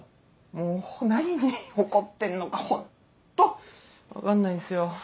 もう何に怒ってんのかホント分かんないんすよ。